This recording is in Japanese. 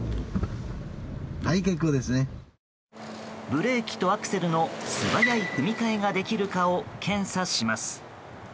ブレーキとアクセルの素早い踏み替えができるかを検査します。